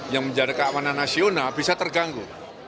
yang menjaga keamanan nasional bisa terganggu